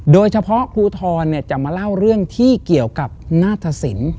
โดยเฉพาะครูทอนเนี่ยจะมาเล่าเรื่องที่เกี่ยวกับนาฏศิลป์